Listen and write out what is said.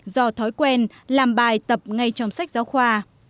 do thói quen làm bài tập ngay trong sách giáo khoa